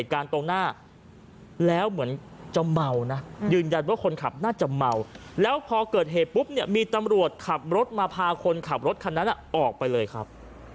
ตรงหน้าแล้วเหมือนจะเมานะยืนยันว่าคนขับน่าจะเมาแล้วพอเกิดเหตุปุ๊บเนี่ยมีตำรวจขับรถมาพาคนขับรถคันนั้นออกไปเลยครับ